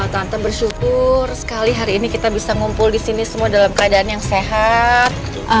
tante bersyukur sekali hari ini kita bisa ngumpul di sini semua dalam keadaan yang sehat